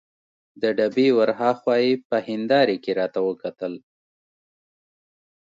د ډبې ور هاخوا یې په هندارې کې راته وکتل.